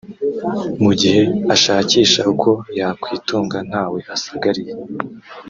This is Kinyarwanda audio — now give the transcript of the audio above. mu gihe ashakisha uko yakwitunga ntawe asagariye